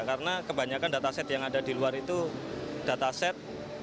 karena kita bisa membangun dataset sendiri untuk fitur wajah orang indonesia